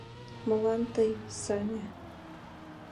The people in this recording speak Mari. — Молан тый, Саня?